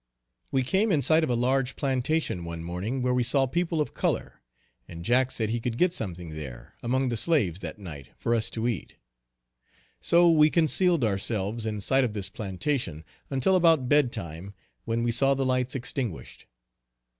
We came in sight of a large plantation one morning, where we saw people of color, and Jack said he could get something there, among the slaves, that night, for us to eat. So we concealed ourselves, in sight of this plantation, until about bed time, when we saw the lights extinguished.